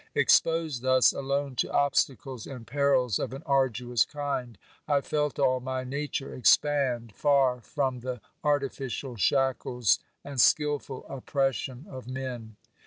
Exposed thus alone to obstacles and perils of an arduous kind, I felt all my nature expand, far from the artificial shackles and skilful oppression of men.